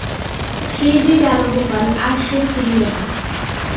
সেই যে গেল গোপাল আর সে ফিরিল না।